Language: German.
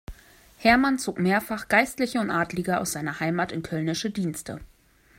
Hermann zog mehrfach Geistliche und Adlige aus seiner Heimat in kölnische Dienste.